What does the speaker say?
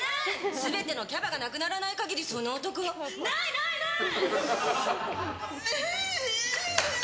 全てのキャラがなくならない限りはない、ない、ない！